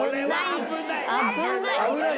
危ない。